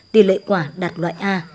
tỷ lệ quả đạt loại a